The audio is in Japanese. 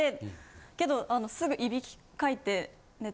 けどすぐいびきかいて寝て。